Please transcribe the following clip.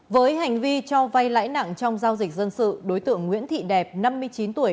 với hành vi cho vay lãi nặng trong giao dịch dân sự đối tượng nguyễn thị đẹp năm mươi chín tuổi